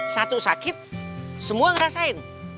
satu sakit semua ngerasain